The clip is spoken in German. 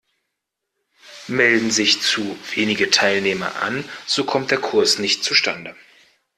Melden sich zu wenige Teilnehmer an, so kommt der Kurs nicht zustande.